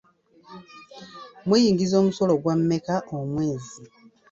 Muyingiza omusolo gwa mmeka omwezi?